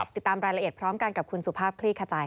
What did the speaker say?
ติดตามรายละเอียดพร้อมกันกับคุณสุภาพคลี่ขจาย